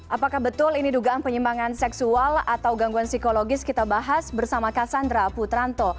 apakah betul ini dugaan penyimbangan seksual atau gangguan psikologis kita bahas bersama cassandra putranto